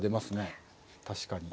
確かに。